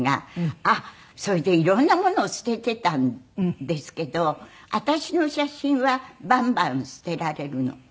それで色んなものを捨てていたんですけど私の写真はバンバン捨てられるの。